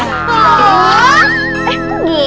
eh kok gitu